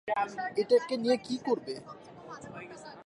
এটাকে নিয়ে কী করবে?